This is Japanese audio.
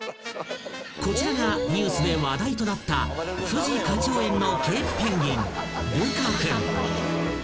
［こちらがニュースで話題となった富士花鳥園のケープペンギン］